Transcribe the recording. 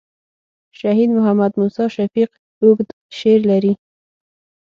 شهید محمد موسي شفیق اوږد شعر لري.